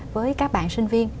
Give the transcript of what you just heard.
với các bạn sinh viên